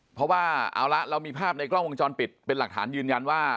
เพราะว่าเอาละเรามีภาพในกล้องวงจรปิดเป็นหลักฐานยืนยันว่า